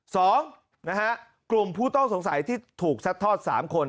สองนะฮะกลุ่มผู้ต้องสงสัยที่ถูกซัดทอดสามคน